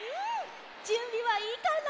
じゅんびはいいかな？